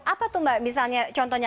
apa tuh mbak misalnya contohnya